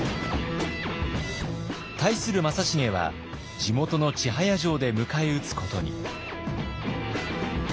対する正成は地元の千早城で迎え撃つことに。